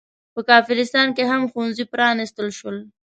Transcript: په کافرستان کې هم ښوونځي پرانستل شول.